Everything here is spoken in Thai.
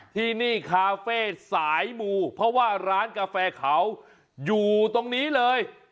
ที่นี่คาเฟ่สายมูเพราะว่าร้านกาแฟเขาอยู่ตรงนี้เลย